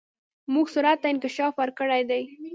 موږ سرعت ته انکشاف ورکړی دی.